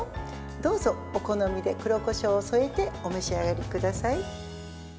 どうぞ、お好みで黒こしょうを添えてお召し上がりください。